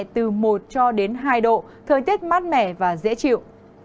từ một cho đến hai độ thời tiết mát mẻ và dễ chịu